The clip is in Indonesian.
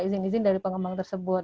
izin izin dari pengembang tersebut